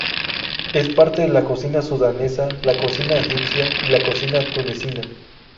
Es parte de la cocina sudanesa, la cocina egipcia y la cocina tunecina.